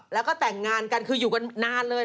แล้วก็แต่งงานกันคืออยู่กันนานเลย